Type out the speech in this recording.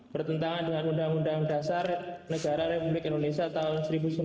bertentangan dengan undang undang dasar negara republik indonesia tahun seribu sembilan ratus empat puluh